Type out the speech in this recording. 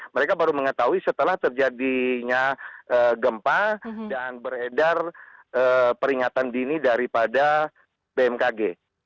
mereka baru mengetahui setelah terjadinya gempa dan beredar peringatan dini daripada bmkg